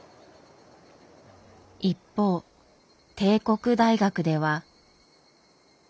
一方帝国大学では。